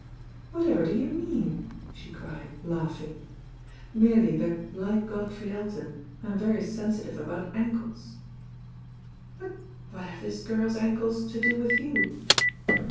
"Whatever do you mean?" she cried, laughing. "Merely that like Godfrey Elton, I'm very sensi tive about ankles." "But what have this girl's ankles to do with you?"